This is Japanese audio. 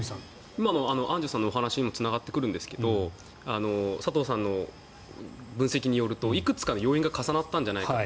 今のアンジュさんの話にもつながってくるんですが佐藤さんの分析によるといくつかの要因が重なったんじゃないかと。